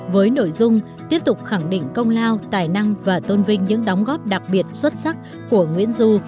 với nội dung tiếp tục khẳng định công lao tài năng và tôn vinh những đóng góp đặc biệt xuất sắc của nguyễn du